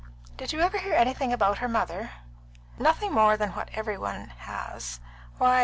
Did you ever hear anything about her mother?" "Nothing more than what every one has. Why?"